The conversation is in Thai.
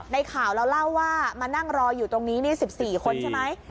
ในข่าวเราเล่าว่ามานั่งรออยู่ตรงนี้๑๔คนใช่ไหม